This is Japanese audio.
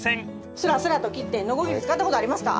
すらすらと切ってのこぎり使ったことありますか？